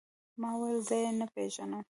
ما وويل زه يې نه پېژنم.